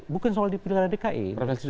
bukan soal pilihan dki